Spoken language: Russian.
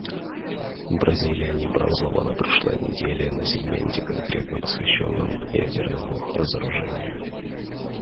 Бразилия не брала слово на прошлой неделе на сегменте, конкретно посвященном ядерному разоружению.